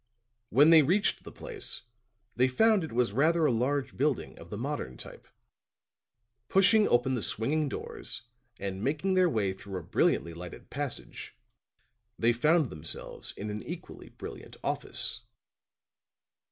When they reached the place, they found it was rather a large building of the modern type; pushing open the swinging doors and making their way through a brilliantly lighted passage, they found themselves in an equally brilliant office.